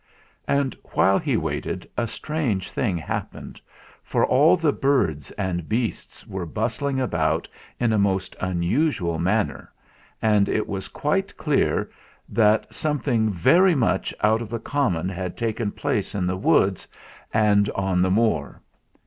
And while he waited a strange thing hap pened, for all the birds and beasts were bustling about in a most unusual manner, and it was quiet clear that something very much out of the common had taken place in the woods and on the Moor.